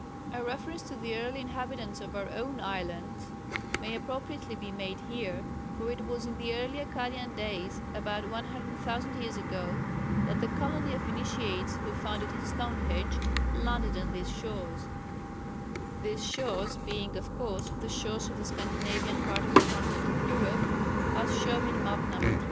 A reference to the early inhabitants of our own islands may appropriately be made here, for it was in the early Akkadian days, about 100,000 years ago, that the colony of Initiates who founded Stonehenge landed on these shores "these shores" being, of course, the shores of the Scandinavian part of the continent of Europe, as shown in Map No. 3.